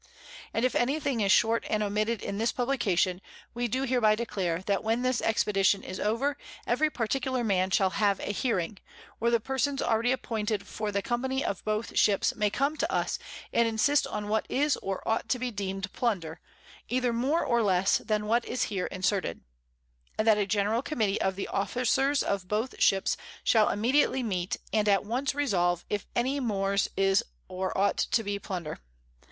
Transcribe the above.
And if any thing is short and omitted in this Publication, we do hereby declare, that when this Expedition is over, every particular Man shall have a Hearing; or the Persons already appointed for the Company of both Ships, may come to us, and insist on what is or ought to be deem'd Plunder, either more or less than what is here inserted; and that a general Committee of the Officers of both Ships shall immediately meet, and at once resolve if any mors is or ought to be Plunder.